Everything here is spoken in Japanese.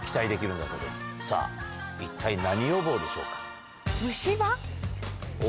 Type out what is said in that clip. さぁ一体何予防でしょうか？